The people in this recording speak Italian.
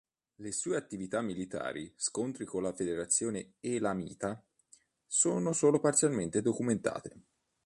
Le sue attività militari, scontri con la federazione elamita, sono solo parzialmente documentate.